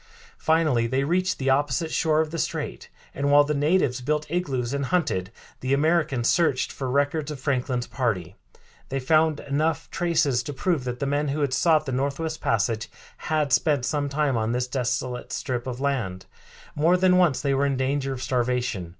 Finally they reached the opposite shore of the strait, and, while the natives built igloos and hunted, the Americans searched for records of Franklin's party. They found enough traces to prove that the men who had sought the Northwest Passage had spent some time on this desolate strip of land. More than once they were in danger of starvation.